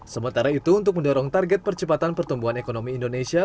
sementara itu untuk mendorong target percepatan pertumbuhan ekonomi indonesia